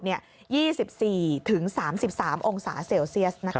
๒๔๓๓องศาเซลเซียส